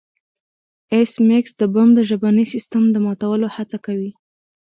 ایس میکس د بم د ژبني سیستم د ماتولو هڅه کوي